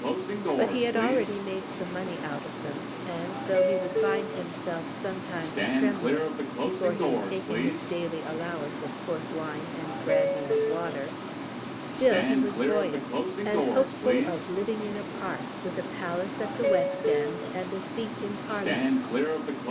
But he had already made some money out of them, and, though he would find himself sometimes trembling before he had taken his daily allowance of port wine and brandy and water, still he was buoyant, and hopeful of living in a park, with a palace at the West End, and a seat in Parliament.